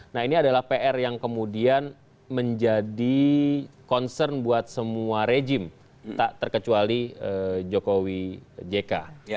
nah ini adalah pr yang kemudian menjadi concern buat semua rejim tak terkecuali jokowi jk